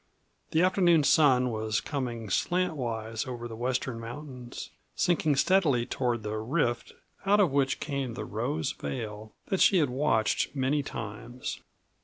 The afternoon sun was coming slantwise over the western mountains, sinking steadily toward the rift out of which came the rose veil that she had watched many times.